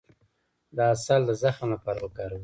د عسل د زخم لپاره وکاروئ